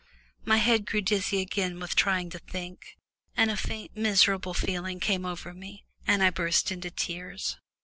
My head grew dizzy again with trying to think, and a faint miserable feeling came over me and I burst into tears.